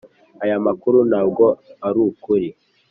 aya makuru ntabwo arukuri.